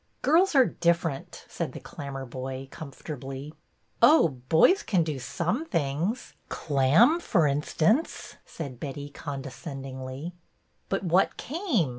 " Girls are different," said the Clammerboy, comfortably. Oh, boys can do some things ; clam, for instance," said Betty, condescendingly. But what came?"